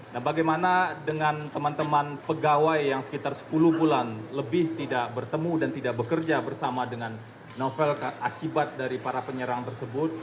nah bagaimana dengan teman teman pegawai yang sekitar sepuluh bulan lebih tidak bertemu dan tidak bekerja bersama dengan novel akibat dari para penyerang tersebut